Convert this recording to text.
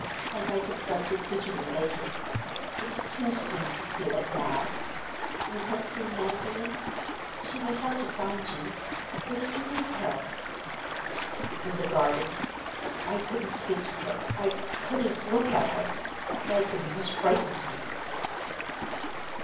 I might have felt it bitterly, later; it is too soon to feel it now. You have seen Magdalen? She went out to find you—where did you leave her?" "In the garden. I couldn't speak to her; I couldn't look at her. Magdalen has frightened me."